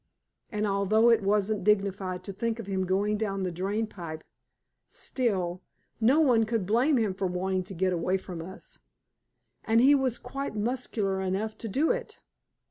And although it wasn't dignified to think of him going down the drain pipe, still no one could blame him for wanting to get away from us, and he was quite muscular enough to do it.